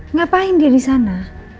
ngapain dia di sana